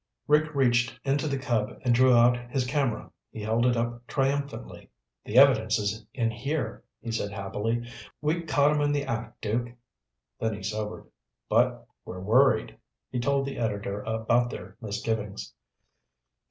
Rick reached into the Cub and drew out his camera. He held it up triumphantly. "The evidence is in here," he said happily. "We caught 'em in the act, Duke." Then he sobered. "But we're worried." He told the editor about their misgivings.